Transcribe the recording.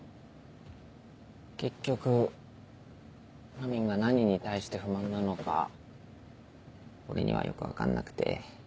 結局まみんが何に対して不満なのか俺にはよく分かんなくて。